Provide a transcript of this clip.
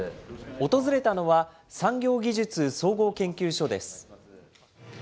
訪れたのは、産業技術総合研究所です。